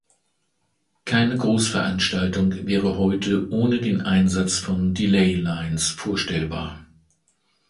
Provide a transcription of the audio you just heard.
Keine Großveranstaltung wäre heute ohne den Einsatz von Delay Lines vorstellbar.